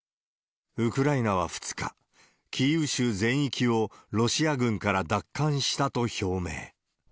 ウクライナは２日、キーウ州全域をロシア軍から奪還したと表明。